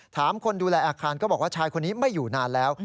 คนดูแลอาคารก็บอกว่าชายคนนี้ไม่อยู่นานแล้ว